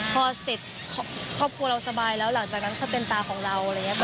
พอเสร็จครอบครัวเราสบายแล้วหลังจากนั้นก็เป็นตาของเราอะไรอย่างนี้ค่ะ